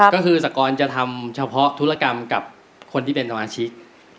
ก็คือสกรจะทำเฉพาะธุรกรรมกับคนที่เป็นสมาชิก